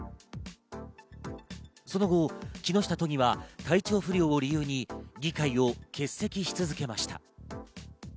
その後、木下都議は体調不良を理由に議会を欠席し続けました。